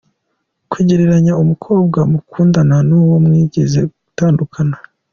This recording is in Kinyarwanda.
Kugereranya umukobwa mukundana n’uwo mwigeze gutandukana.